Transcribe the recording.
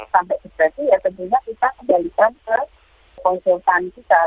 sampai depresi ya tentunya kita kembalikan ke konsultan kita